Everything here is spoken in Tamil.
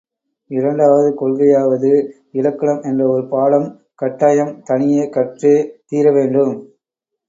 இரண்டாவது கொள்கையாவது இலக்கணம் என்ற ஒரு பாடம் கட்டாயம் தனியே கற்றே தீரவேண்டும்.